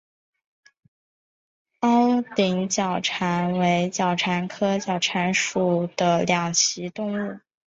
凹顶角蟾为角蟾科角蟾属的两栖动物。